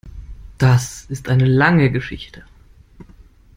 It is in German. Das ist eine lange Geschichte.